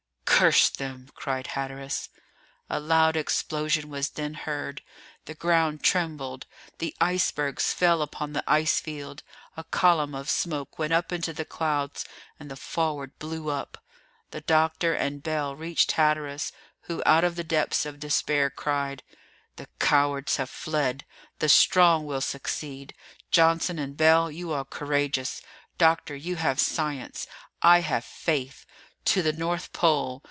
"Curse them!" cried Hatteras. A loud explosion was then heard; the ground trembled; the icebergs fell upon the ice field; a column of smoke went up into the clouds, and the Forward blew up. The doctor and Bell reached Hatteras, who out of the depths of despair cried: "The cowards have fled! The strong will succeed! Johnson and Bell, you are courageous. Doctor, you have science. I have faith. To the North Pole!